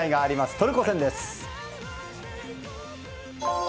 トルコ戦です。